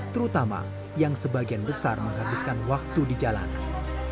terutama yang sebagian besar menghabiskan waktu di jalanan